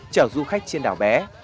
chở du khách trên đảo bé